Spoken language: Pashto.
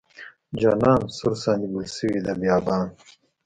جانان سور ساندې ګل شوې د بیابان.